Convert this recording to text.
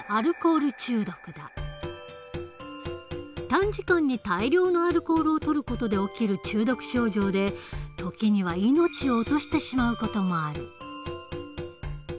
短時間に大量のアルコールをとる事で起きる中毒症状で時には命を落としてしまう事もある。